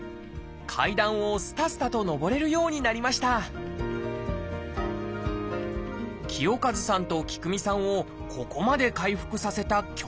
階段をすたすたと上れるようになりました清和さんと喜久美さんをここまで回復させた教室とは？